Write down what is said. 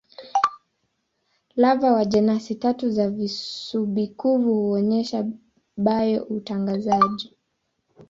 Lava wa jenasi tatu za visubi-kuvu huonyesha bio-uangazaji.